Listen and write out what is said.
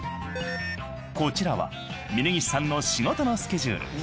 こちらは峯岸さんの仕事のスケジュール。